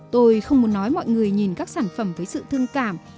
tôi không muốn nói mọi người nhìn các sản phẩm với sự thương cảm